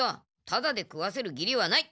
タダで食わせる義理はない。